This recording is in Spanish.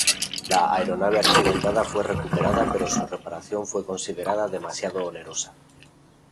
La aeronave accidentada fue recuperada pero su reparación fue considerada demasiado onerosa.